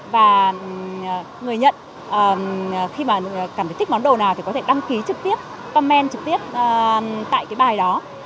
và người nhận khi cảm thấy thích món đồ nào thì có thể đăng ký trực tiếp comment trực tiếp tại bài đó